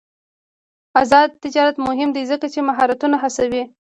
آزاد تجارت مهم دی ځکه چې مهارتونه هڅوي.